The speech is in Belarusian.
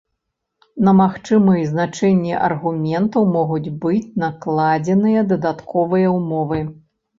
На магчымыя значэнні аргументаў могуць быць накладзеныя дадатковыя ўмовы.